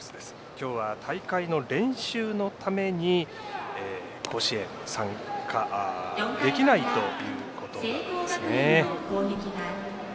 今日は大会の練習のために甲子園、参加できないということなんですね。